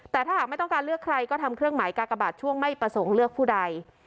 แต่ถ้าหากไม่ต้องการเลือกใครก็ทำเครื่องหมายกากบาทช่วงไม่ประสงค์เลือกผู้ใด